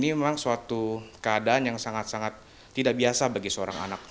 ini memang suatu keadaan yang sangat sangat tidak biasa bagi seorang anak